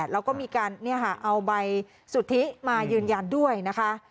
แล้วก็มีการเอาใบสุทธิมายืนยันด้วยนะคะ